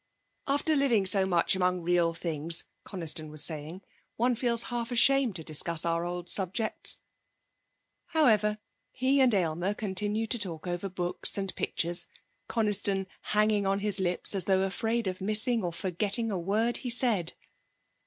'After living so much among real things,' Coniston was saying, 'one feels half ashamed to discuss our old subjects.' However, he and Aylmer continued to talk over books and pictures, Coniston hanging on his lips as though afraid of missing or forgetting a word he said.